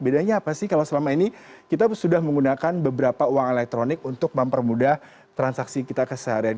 bedanya apa sih kalau selama ini kita sudah menggunakan beberapa uang elektronik untuk mempermudah transaksi kita keseharian